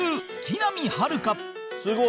すごい！